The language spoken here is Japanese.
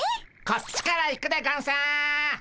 こっちから行くでゴンス！